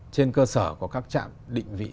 trên cơ sở của các trạm định vị